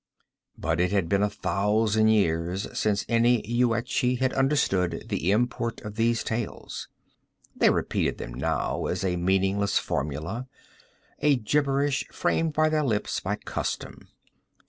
But it had been a thousand years since any Yuetshi had understood the import of these tales; they repeated them now as a meaningless formula, a gibberish framed by their lips by custom.